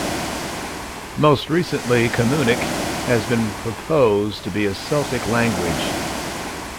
Most recently Camunic has been proposed to be a Celtic language.